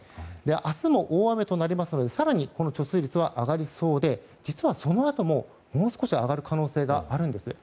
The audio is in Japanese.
明日も大雨となりますので更に、貯水率は上がりそうで実はそのあとも、もう少し上がる可能性があるんです。